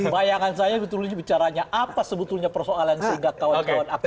bayangan saya itu bicaranya apa sebetulnya persoalan sehingga kawan kawan aku